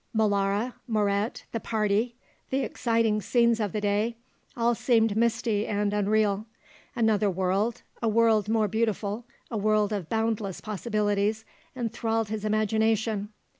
Molara, Moret, the Party, the exciting scenes of the day, all seemed misty and unreal; another world, a world more beautiful, a world of boundless possibilities, enthralled his imagination.